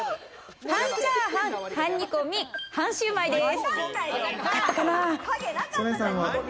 半チャーハン、半煮込み、半シューマイです。